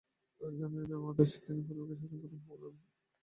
জননীই প্রেমের আদর্শ, তিনিই পরিবারকে শাসন করেন, সমগ্র পরিবারটির উপর তাঁহার অধিকার।